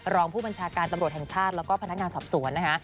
รองผู้บัญชาการตำรวจแห่งชาติแล้วก็พนักงานสอบสวนนะคะ